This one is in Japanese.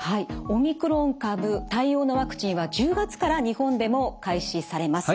オミクロン株対応のワクチンは１０月から日本でも開始されます。